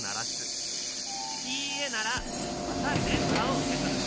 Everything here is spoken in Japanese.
「いいえ」ならまた電波を受け取る。